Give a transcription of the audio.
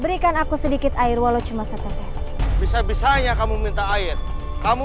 berikan aku sedikit air walau cuma setetes bisa bisanya kamu minta air kamu